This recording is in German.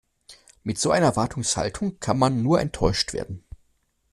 Mit so einer Erwartungshaltung kann man nur enttäuscht werden.